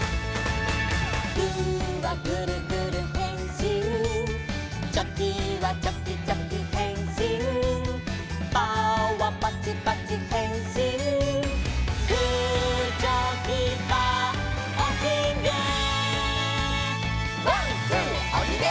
「グーはグルグルへんしん」「チョキはチョキチョキへんしん」「パーはパチパチへんしん」「グーチョキパーおひげ」「ワンツーおひげ！」